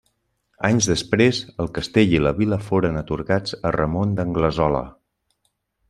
Anys després, el castell i la vila foren atorgats a Ramon d'Anglesola.